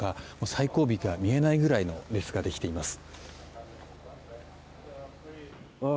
最後尾が見えないくらいの列ができています。